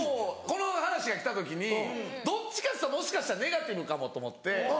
この話が来た時にどっちかっつったらもしかしたらネガティブかもと思って。